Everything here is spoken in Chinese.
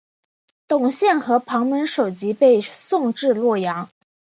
董宪和庞萌首级被送至洛阳。